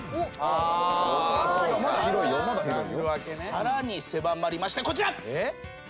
さらに狭まりましてこちら！